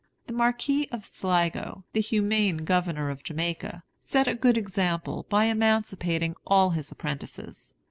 The Marquis of Sligo, the humane Governor of Jamaica, set a good example by emancipating all his apprentices.